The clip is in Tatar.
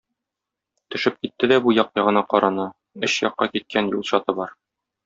Төшеп китте дә бу як-ягына карана: өч якка киткән юл чаты бар.